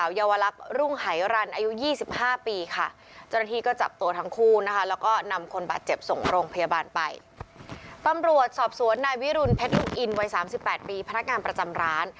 แม่วิรุณเพชรลูกอินวัยสามสิบแปดปีพนักงานประจำร้าน